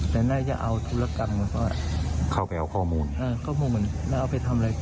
แต่น่าจะเอาธุรกรรมก็เอาไปเอาข้อมูลข้อมูลน่าเอาไปทำอะไรต่อ